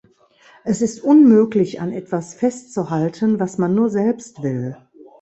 Es ist unmöglich, an etwas festzuhalten, was man nur selbst will.